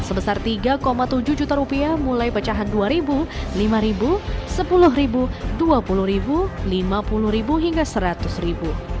sebesar tiga tujuh juta rupiah mulai pecahan dua ribu lima ribu sepuluh ribu dua puluh ribu lima puluh ribu hingga seratus ribu